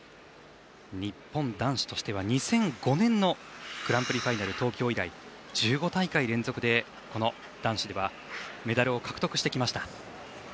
日本男子としては２００５年のグランプリファイナル東京以来１５大会連続でこの男子ではメダルを獲得してきました。